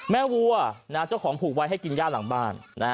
วัวเจ้าของผูกไว้ให้กินย่าหลังบ้าน